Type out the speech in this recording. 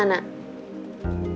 jom kita berpisah